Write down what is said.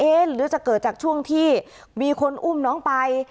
หรือจะเกิดจากช่วงที่มีคนอุ้มน้องไป